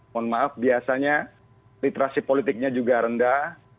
mohon maaf biasanya literasi politiknya juga rendah